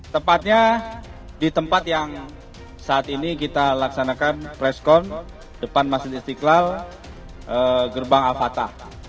tepatnya di tempat yang saat ini kita laksanakan preskon depan masjid istiqlal gerbang al fatah